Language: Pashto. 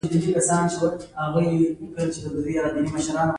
هغه له کوره په پټه کوڅې ته وتلی و